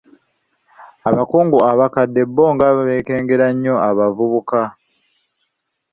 Abakungu abakadde bo nga beekengera nnyo abavubuka.